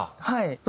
はい。